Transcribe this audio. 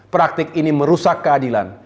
praktik ini merusak keadilan